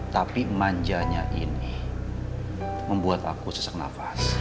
tapi manjanya ini membuat aku sesak nafas